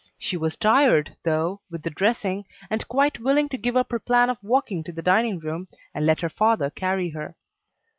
She was tired, though, with the dressing, and quite willing to give up her plan of walking to the dining room, and let her father carry her.